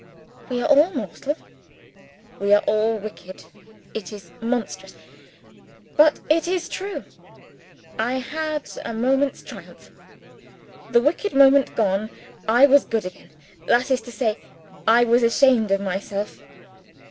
We are all mortal we are all wicked. It is monstrous, but it is true. I had a moment's triumph. The wicked moment gone, I was good again that is to say, I was ashamed of myself.